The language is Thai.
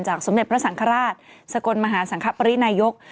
สมเด็จพระสังฆราชสกลมหาสังคปรินายก